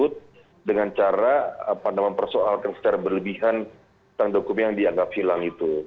untuk mendosong kasus tersebut dengan cara mempersoalkan secara berlebihan tentang dokumen yang dianggap hilang itu